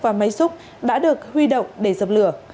qua máy xúc đã được huy động để dập lửa